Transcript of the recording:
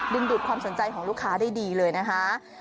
ดูดความสนใจของลูกค้าได้ดีเลยนะคะ